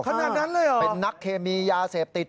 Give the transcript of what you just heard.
เป็นนักเคมียาเสพติด